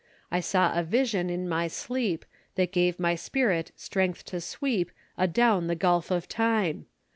I saw a vision in my sleep, That gave my spirit strength to sweep Adown the gulf of time!